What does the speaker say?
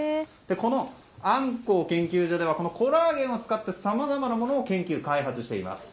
このあんこう研究所ではコラーゲンを使ったさまざまなものを研究・開発しています。